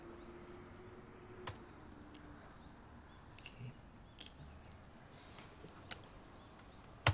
ケーキ。